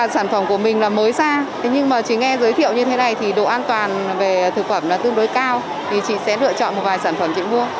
sản phẩm của mình là mới ra nhưng mà chỉ nghe giới thiệu như thế này thì độ an toàn về thực phẩm tương đối cao thì chị sẽ lựa chọn một vài sản phẩm chị mua